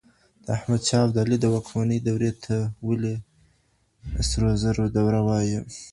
د احمد شاه ابدالي د واکمنۍ دورې ته ولي د سرو زرو دوره وایي؟